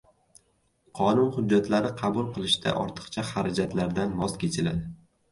Qonun hujjatlari qabul qilishda ortiqcha xarajatlardan voz kechiladi